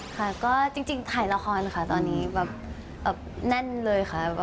ค่ะก็จริงถ่ายละครค่ะตอนนี้แบบแน่นเลยค่ะ